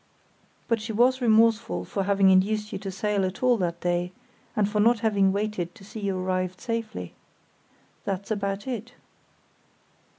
"But she was remorseful for having induced you to sail at all that day, and for not having waited to see you arrived safely." "That's about it."